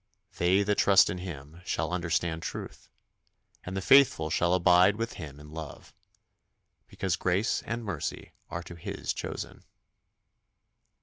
They that trust in Him shall understand truth, And the faithful shall abide with Him in love; Because grace and mercy are to His chosen.